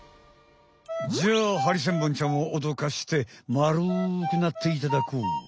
じゃあハリセンボンちゃんをおどかして丸くなっていただこう。